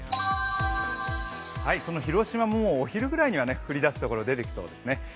その広島、もうお昼ぐらいには降り出すところが出てきそうですね。